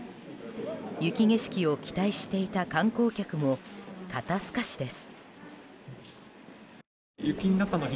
雪景色を期待していた観光客も肩透かしです。